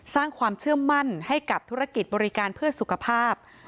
สร้างความเชื่อมั่นให้กับธุรกิจบริการเพื่อสุขภาพ